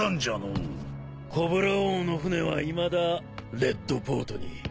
コブラ王の船はいまだレッドポートに。